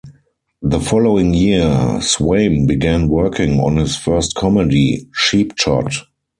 The following year, Swaim began working on his first comedy, "Cheap Shot".